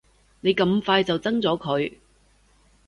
你咁快就憎咗佢